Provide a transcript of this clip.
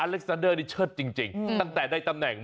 เล็กซันเดอร์นี่เชิดจริงตั้งแต่ได้ตำแหน่ง